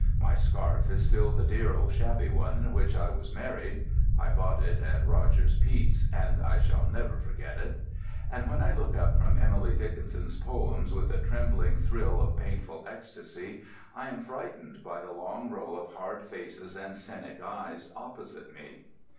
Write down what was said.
My scarf is still the dear old shabby one in which I was married (I bought it at Rogers Peet's, and I shall never forget it) and when I look up from Emily Dickinson's poems with a trembling thrill of painful ecstasy, I am frightened by the long row of hard faces and cynic eyes opposite me.